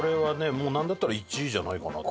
もうなんだったら１位じゃないかなって。